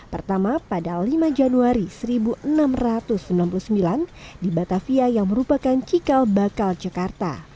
pertama pada lima januari seribu enam ratus sembilan puluh sembilan di batavia yang merupakan cikal bakal jakarta